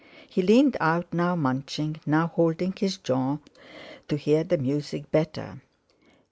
He leaned out, now munching, now holding his jaws to hear the music better.